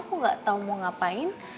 aku enggak tahu mau ngapain